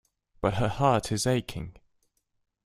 But her heart is aching.